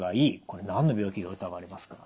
これ何の病気が疑われますか？